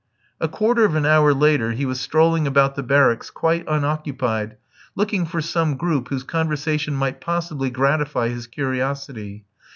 A quarter of an hour later he was strolling about the barracks quite unoccupied, looking for some group whose conversation might possibly gratify his curiosity.